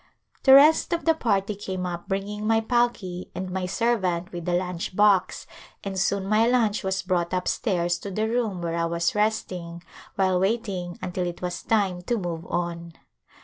The rest of the party came up bringing my palki and my servant with the lunch box and soon my lunch was brought up stairs to the room where I was resting while waiting until it was time to move on.